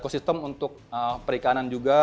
ekosistem untuk perikanan juga